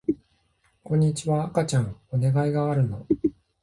こんにちは赤ちゃんお願いがあるの